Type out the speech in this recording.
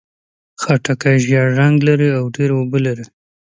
خټکی ژېړ رنګ لري او ډېر اوبه لري.